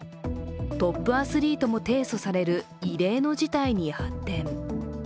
トップアスリートも提訴される異例の事態に発展。